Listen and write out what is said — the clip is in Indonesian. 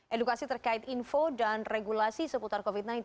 edukasi terkait info dan regulasi seputar covid sembilan belas